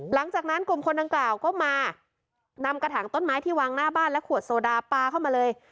หลังจากนั้นกลุ่มคนดังกล่าวก็มานำกระถางต้นไม้ที่วางหน้าบ้านและขวดโซดาปลาเข้ามาเลย